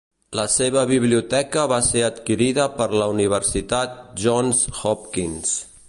La seva biblioteca va ser adquirida per la Universitat Johns Hopkins.